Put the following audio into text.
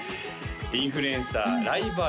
インフルエンサーライバー